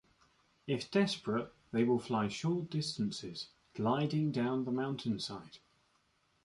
If desperate, they will fly short distances, gliding down the mountainside.